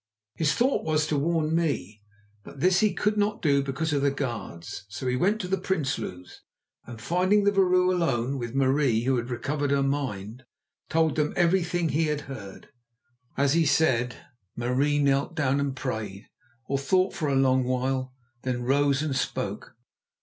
His thought was to warn me, but this he could not do because of the guards. So he went to the Prinsloos, and finding the vrouw alone with Marie, who had recovered her mind, told them everything that he had heard. As he said, Marie knelt down and prayed, or thought for a long while, then rose and spoke.